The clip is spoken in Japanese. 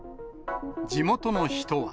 地元の人は。